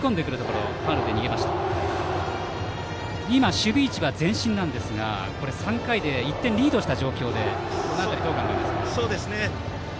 守備位置は前進なんですが３回で１点リードした状況でこの辺りどう考えますか。